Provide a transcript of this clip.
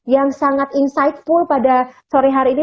yang sangat insightful pada sore hari ini